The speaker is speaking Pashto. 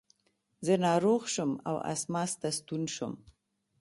زه ناروغ شوم او اسماس ته ستون شوم.